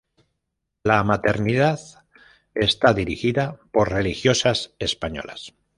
La maternidad está dirigida por religiosas españolas.